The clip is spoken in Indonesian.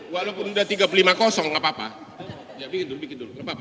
walaupun sudah tiga puluh lima kosong enggak apa apa